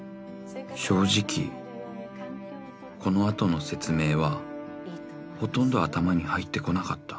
［正直この後の説明はほとんど頭に入ってこなかった］